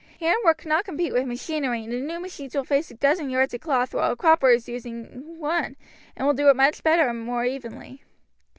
Handwork cannot compete with machinery, and the new machines will face a dozen yards of cloth while a cropper is doing one, and will do it much better and more evenly."